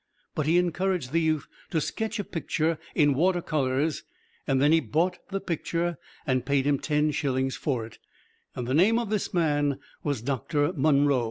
But he encouraged the youth to sketch a picture in water colors and then he bought the picture and paid him ten shillings for it; and the name of this man was Doctor Munro.